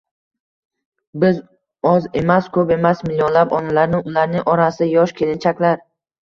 biz oz emas-ko‘p emas millionlab onalarni ularning orasida yosh kelinchaklar